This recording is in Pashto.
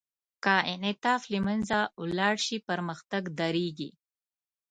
که انعطاف له منځه ولاړ شي، پرمختګ درېږي.